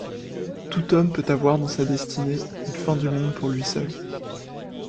Tout homme peut avoir dans sa destinée une fin du monde pour lui seul.